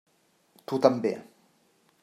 Tu també.